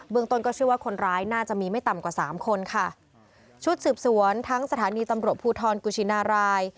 ต้นก็เชื่อว่าคนร้ายน่าจะมีไม่ต่ำกว่าสามคนค่ะชุดสืบสวนทั้งสถานีตำรวจภูทรกุชินาราย